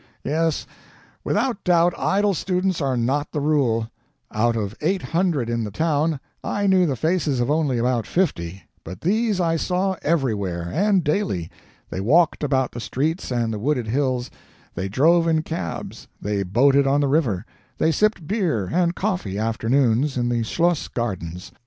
Yes, without doubt, idle students are not the rule. Out of eight hundred in the town, I knew the faces of only about fifty; but these I saw everywhere, and daily. They walked about the streets and the wooded hills, they drove in cabs, they boated on the river, they sipped beer and coffee, afternoons, in the Schloss gardens.